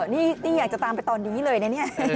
นี่อยากจะตามไปตอนนี้เลยนะเนี่ย